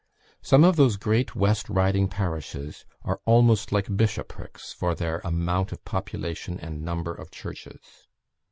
Some of those great West Riding parishes are almost like bishoprics for their amount of population and number of churches.